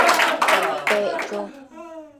Pec cho